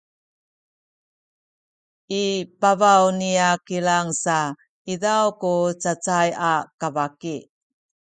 i pabaw niya kilang sa izaw ku cacay a kabaki